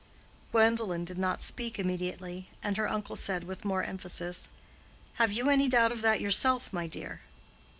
Gwendolen did not speak immediately, and her uncle said with more emphasis, "Have you any doubt of that yourself, my dear?"